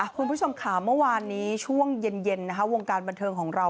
คุณผู้ชมค่ะเมื่อวานนี้ช่วงเย็นวงการบันเทิงของเรา